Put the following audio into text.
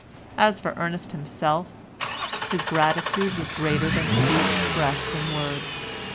As for Ernest himself, his gratitude was greater than could be expressed in words.